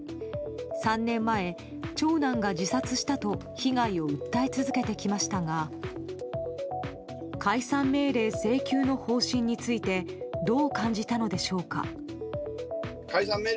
３年前、長男が自殺したと被害を訴え続けてきましたが解散命令請求の方針についてどう感じたのでしょうか。